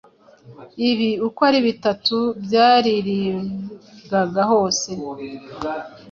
Ibi uko ari bitatu byaririmbwaga hose,